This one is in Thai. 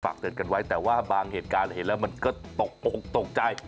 เตือนกันไว้แต่ว่าบางเหตุการณ์เห็นแล้วมันก็ตกอกตกใจ